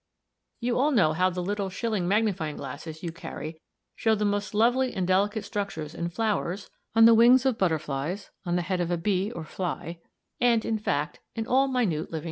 You all know how the little shilling magnifying glasses you carry show the most lovely and delicate structures in flowers, on the wings of butterflies, on the head of a bee or fly, and, in fact, in all minute living things."